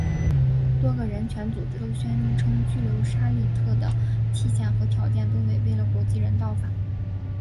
多个人权组织都宣称拘留沙利特的期限和条件都违背了国际人道法。